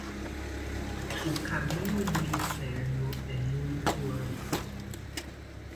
O caminho do inferno é muito amplo.